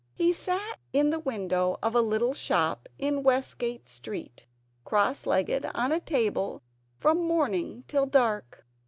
He sat in the window of a little shop in Westgate Street, cross legged on a table from morning till dark.